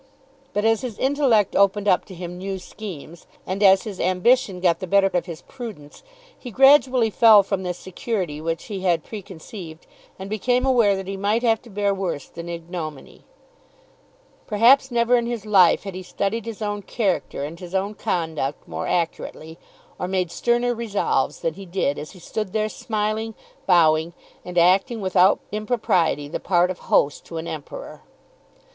But as his intellect opened up to him new schemes, and as his ambition got the better of his prudence, he gradually fell from the security which he had preconceived, and became aware that he might have to bear worse than ignominy. Perhaps never in his life had he studied his own character and his own conduct more accurately, or made sterner resolves, than he did as he stood there smiling, bowing, and acting without impropriety the part of host to an Emperor.